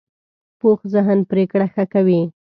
پوخ ذهن پرېکړه ښه کوي